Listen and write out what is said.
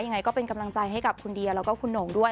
ยังไงก็เป็นกำลังใจให้กับคุณเดียแล้วก็คุณหน่งด้วย